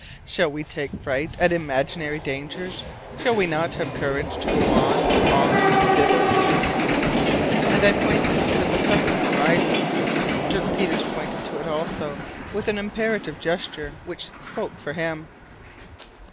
Shall we take fright at imaginary dangers? Shall we not have courage to go on, on, thither?" [Illustration: Dirk Peters shows the way.] And I pointed to the southern horizon. Dirk Peters pointed to it also, with an imperative gesture which spoke for him.